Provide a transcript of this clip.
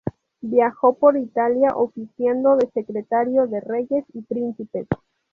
Viajó por Italia oficiando de secretario de reyes y príncipes.